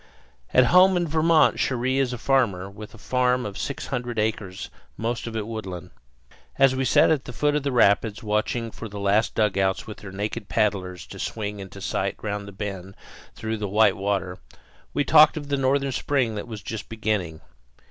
At home in Vermont Cherrie is a farmer, with a farm of six hundred acres, most of it woodland. As we sat at the foot of the rapids, watching for the last dugouts with their naked paddlers to swing into sight round the bend through the white water, we talked of the northern spring that was just beginning.